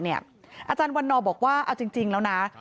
อาจารย์วันนอบอกว่าเอาจริงแล้วนะ